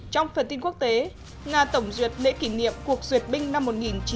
trong phần tin quốc tế nga tổng duyệt lễ kỷ niệm cuộc duyệt binh